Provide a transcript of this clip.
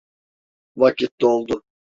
Vakit doldu.